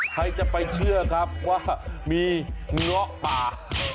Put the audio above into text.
ใครจะไปเชื่อครับว่ามีเงาะป่า